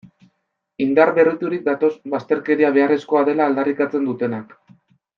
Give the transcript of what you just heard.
Indar berriturik datoz bazterkeria beharrezkoa dela aldarrikatzen dutenak.